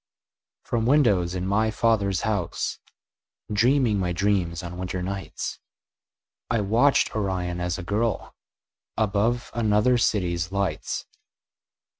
From windows in my father's house, Dreaming my dreams on winter nights, I watched Orion as a girl Above another city's lights.